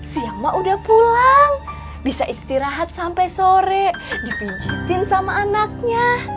siang mak udah pulang bisa istirahat sampai sore dipijitin sama anaknya